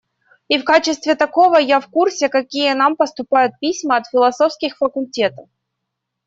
И в качестве такового я в курсе какие нам поступают письма от философских факультетов.